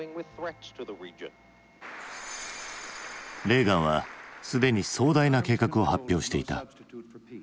レーガンはすでに壮大な計画を発表していた。